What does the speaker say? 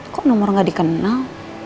kok nomor gak dikenal